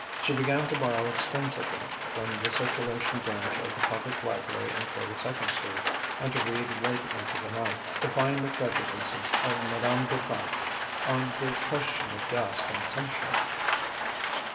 She began to borrow extensively from the circulation branch of the Public Library in Forty second Street, and to read late into the night, defying the prejudices of Madame Duprat on the question of gas consumption....